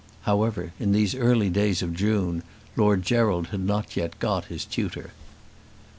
However in these early days of June Lord Gerald had not yet got his tutor.